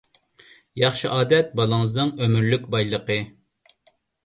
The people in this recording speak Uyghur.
ياخشى ئادەت بالىڭىزنىڭ ئۆمۈرلۈك بايلىقى.